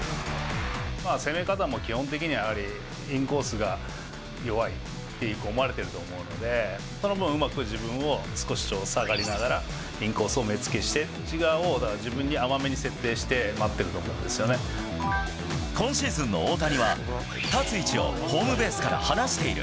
攻め方も基本的には、やはりインコースが弱いって思われてると思うので、その分、うまく自分も少し下がりながら、インコースを目つけして、内側を、だから自分に甘めに設定して待っ今シーズンの大谷は、立つ位置をホームベースから離している。